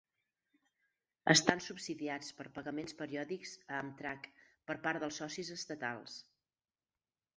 Estan subsidiats per pagaments periòdics a Amtrak per part dels socis estatals.